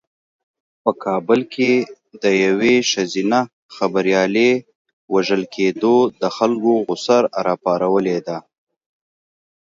په کابل کې د یوې ښځینه خبریالې وژل کېدو د خلکو غوسه راپارولې ده.